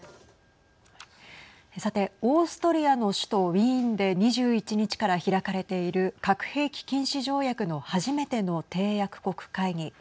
さてオーストリアの首都ウィーンで２１日から開かれている核兵器禁止条約の初めての締約国会議。